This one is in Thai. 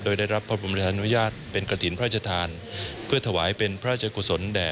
โดยได้รับพระบรมราชานุญาตเป็นกระถิ่นพระราชทานเพื่อถวายเป็นพระราชกุศลแด่